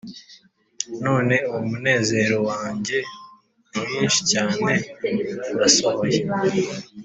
none uwo munezero wanjye mwinshi cyane urasohoye